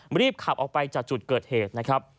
รีบขับออกไปจากจุดเกิดเหตุนะครับ